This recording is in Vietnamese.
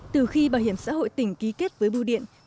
từ khi bảo hiểm xã hội tỉnh ký kết với bưu điện